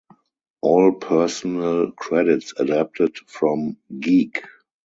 All personnel credits adapted from Geek!